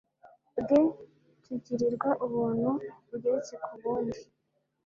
bwe, tugirirwa ubuntu bugeretse ku bundi